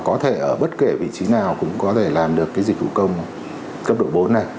có thể ở bất kể vị trí nào cũng có thể làm được cái dịch vụ công cấp độ bốn này